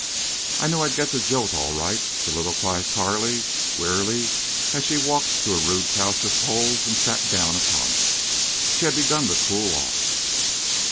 "I knew I'd get the jolt all right," soliloquized Carley, wearily, as she walked to a rude couch of poles and sat down upon it. She had begun to cool off.